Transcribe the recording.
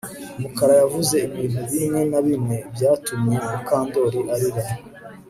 Mukara yavuze ibintu bimwe na bimwe byatumye Mukandoli arira